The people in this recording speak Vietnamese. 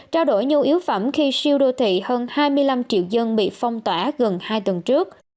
trao đổi nhu yếu phẩm khi siêu đô thị hơn hai mươi năm triệu dân bị phong tỏa gần hai tuần trước